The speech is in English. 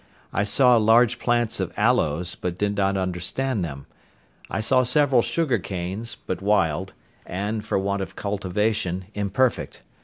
I saw large plants of aloes, but did not understand them. I saw several sugar canes, but wild, and, for want of cultivation, imperfect.